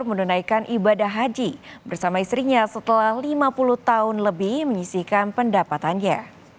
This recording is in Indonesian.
menunaikan ibadah haji bersama istrinya setelah lima puluh tahun lebih menyisihkan pendapatannya